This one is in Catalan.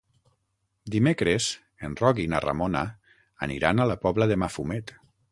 Dimecres en Roc i na Ramona aniran a la Pobla de Mafumet.